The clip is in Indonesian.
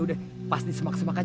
yaudah pasti semak semak aja